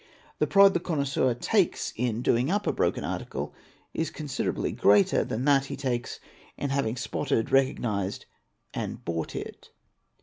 The pride the connoisseur takes in doing up a broken article is considerably greater than that he takes in having spotted, recognised, and bought it.